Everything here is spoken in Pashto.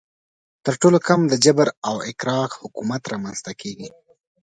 تر ټولو کم د جبر او اکراه حکومت رامنځته کیږي.